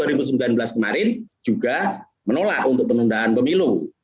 bahkan para pemilih presiden mereka juga menolak penundaan pemilu